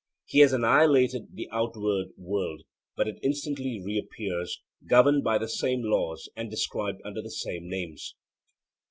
He has annihilated the outward world, but it instantly reappears governed by the same laws and described under the same names.